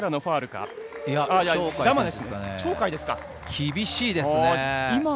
厳しいですね。